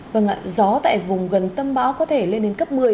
vâng ạ gió tại vùng gần tâm bão có thể lên đến cấp một mươi